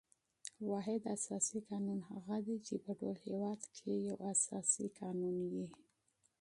واحد اساسي قانون هغه دئ، چي په ټول هیواد کښي یو اساسي قانون يي.